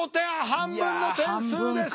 半分の点数です。